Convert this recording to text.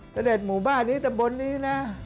ตะเบลดหมู่บ้านนี้ตะบนนี้นะ